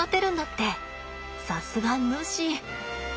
さすがヌシ。